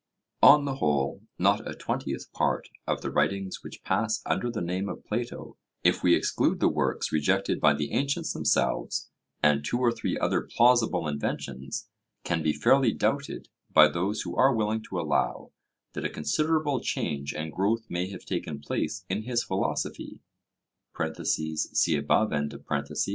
On the whole, not a twentieth part of the writings which pass under the name of Plato, if we exclude the works rejected by the ancients themselves and two or three other plausible inventions, can be fairly doubted by those who are willing to allow that a considerable change and growth may have taken place in his philosophy (see above).